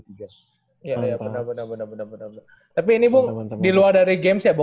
tapi ini di luar dari games ya